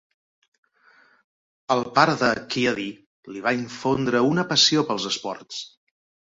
El pare de Keady li va infondre una passió pels esports.